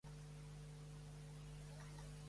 El vídeo muestra a 'N Sync en diferentes eventos.